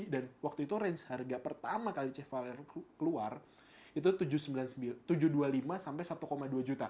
dan waktu itu range harga pertama kali cefaler keluar itu rp tujuh ratus dua puluh lima sampai rp satu dua ratus